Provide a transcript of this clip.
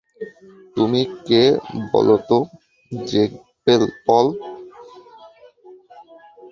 তুমি কে বলো তো, জেক পল?